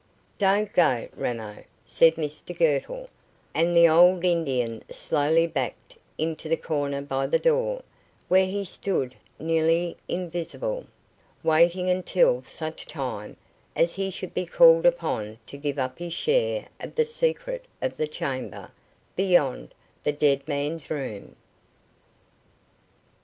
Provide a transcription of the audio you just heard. "Don't go, Ramo," said Mr Girtle; and the old Indian slowly backed into the corner by the door, where he stood nearly invisible, waiting until such time as he should be called upon to give up his share of the secret of the chamber beyond the dead man's room.